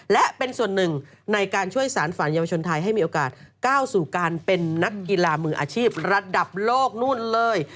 และเป็นส่วนหนึ่งในการช่วยสารฝันเยาวชนไทยให้มีโอกาสก้าวสู่การเป็นนักกีฬามืออาชีพระดับโลกนู่นเลย